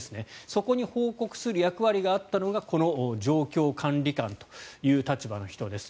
そこに報告する役割があったのがこの状況管理官という立場の人です。